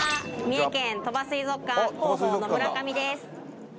三重県鳥羽水族館広報の村上です